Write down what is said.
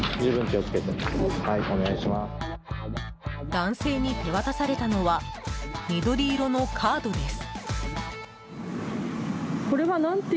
男性に手渡されたのは緑色のカードです。